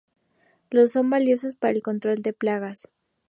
Son valiosos para el control de plagas.